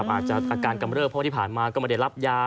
อาจจะอาการกำเริบเพราะที่ผ่านมาก็ไม่ได้รับยา